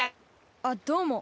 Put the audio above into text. あっどうも。